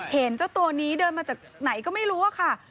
เห็นเจ้าตัวนี้เดินมาจากไหนก็ไม่รู้อะค่ะ